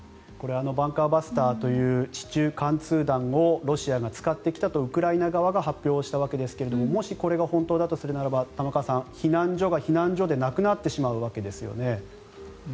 バンカーバスターという地中貫通弾をロシアが使ってきたとウクライナ側が発表したわけですがもし、これが本当だとするならば玉川さん、避難所が避難所でなくなってしまうわけですよね。